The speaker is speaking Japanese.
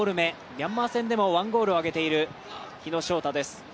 ミャンマー戦でも１ゴールを挙げている日野翔太です。